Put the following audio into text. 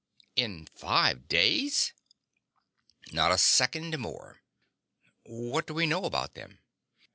"In five days?" "Not a second more." "What do we know about them?"